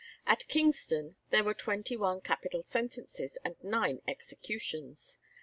At Kingston there were twenty one capital sentences, and nine executions.